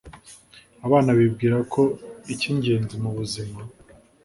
abana bibwira ko icyingenzi mu buzima